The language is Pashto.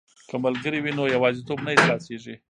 که ملګري وي نو یوازیتوب نه احساسیږي.